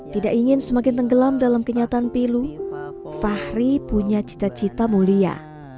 tidak ingin semakin tenggelam dalam kenyataan pilu fahri punya cita cita mulia